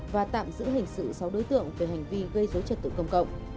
và tạm giữ hình sự sau đối tượng về hành vi gây rối trật tự công cộng